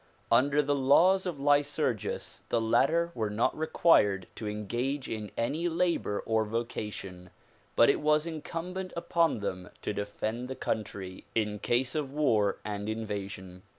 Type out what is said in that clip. Under the laws of Lycurgus the latter were not required to engage in any labor or vocation but it was incumbent upon them to defend the country in case of war and invasion.